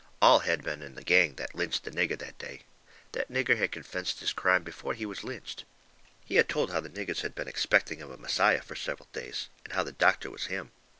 All had been in the gang that lynched the nigger that day. That nigger had confessed his crime before he was lynched. He had told how the niggers had been expecting of a Messiah fur several days, and how the doctor was him.